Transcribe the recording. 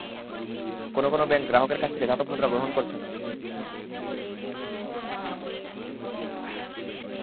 কোনো কোনো ব্যাংক গ্রাহকের কাছ থেকে ধাতব মুদ্রা গ্রহণ করছে না।